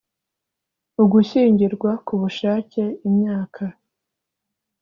ugushyingirwa ku bushake imyaka